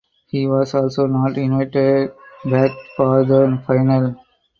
He was also not invited back for the final.